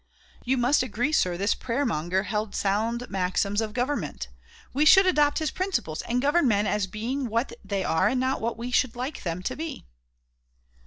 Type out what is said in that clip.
You must agree, sir, this prayer monger held sound maxims of government. We should adopt his principles, and govern men as being what they are and not what we should like them to be."